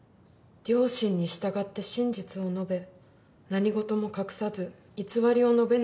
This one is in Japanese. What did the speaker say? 「良心に従って真実を述べ何事も隠さず偽りを述べないことを誓います」